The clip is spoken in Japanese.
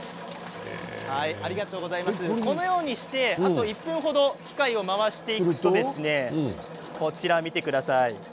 このようにしてあと１分程、機械を回していくと見てください。